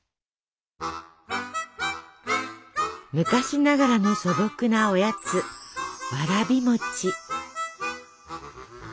昔ながらの素朴なおやつわらび餅。